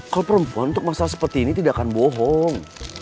kalau perempuan untuk masalah seperti ini tidak akan bohong